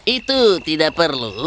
itu tidak perlu